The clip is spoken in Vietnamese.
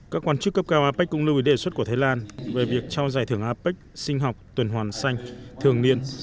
các quan chức cấp cao apec cũng lưu ý đề xuất của thái lan về việc trao giải thưởng apec sinh học tuần hoàn xanh thường niên